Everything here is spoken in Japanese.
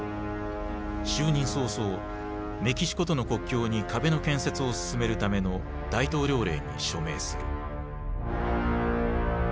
就任早々メキシコとの国境に壁の建設を進めるための大統領令に署名する。